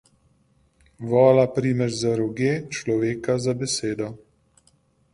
Vola primeš za roge, človeka za besedo.